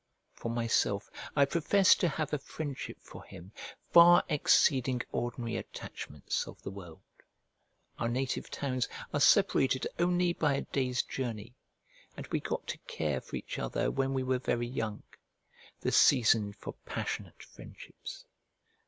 For myself, I profess to have a friendship for him far exceeding ordinary attachments of the world. Our native towns are separated only by a day's journey; and we got to care for each other when we were very young; the season for passionate friendships.